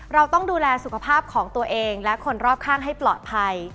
เราต้องดูแลสุขภาพของตัวเองและคนรอบข้างให้ปลอดภัย